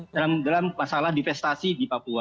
dalam masalah divestasi di papua